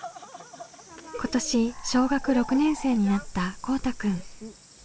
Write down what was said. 今年小学６年生になったこうたくん。